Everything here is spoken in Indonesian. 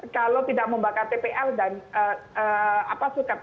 kalau tidak membakar tpl dan suket